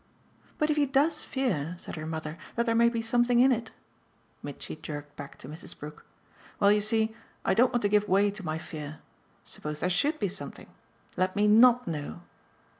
"But if he does fear," said her mother, "that there may be something in it ?" Mitchy jerked back to Mrs. Brook. "Well, you see, I don't want to give way to my fear. Suppose there SHOULD be something! Let me not know."